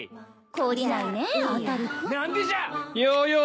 懲りないねぇあたる君。